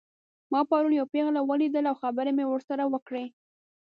ما پرون یوه پیغله ولیدله او خبرې مې ورسره وکړې